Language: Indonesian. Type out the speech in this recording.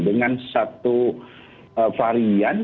dengan satu varian